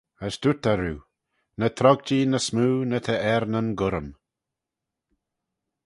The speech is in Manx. As dooyrt eh roo, Ny trog-jee ny smoo na ta er nyn gurrym.